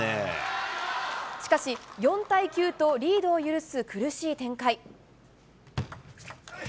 しかし、４対９とリードを許す苦しい展開。